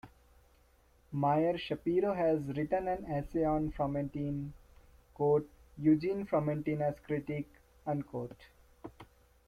Meyer Schapiro has written an essay on Fromentin, "Eugene Fromentin as Critic".